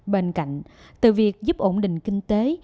bên cạnh từ việc giúp ổn định kinh tế